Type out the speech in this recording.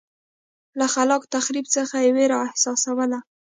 له خلاق تخریب څخه یې وېره احساسوله.